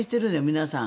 皆さん。